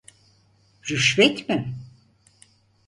Rüşvet mi?